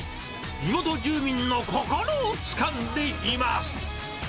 地元住民の心をつかんでいます。